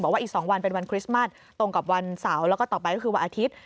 อีก๒วันเป็นวันคริสต์มัสตรงกับวันเสาร์แล้วก็ต่อไปก็คือวันอาทิตย์